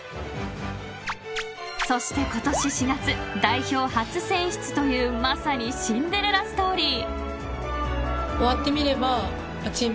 ［そして今年４月代表初選出というまさにシンデレラストーリー］